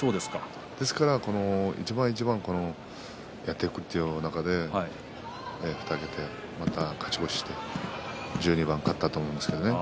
ですから一番一番やっていくという中で２桁勝ち越して１２番勝ったと思うんですけどね。